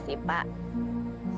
saya udah gak apa apa kok